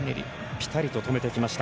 ピタリと止めてきました。